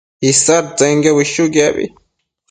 isadtsenquio bëshuquiabi